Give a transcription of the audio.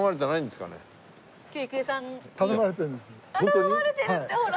頼まれてるってほら！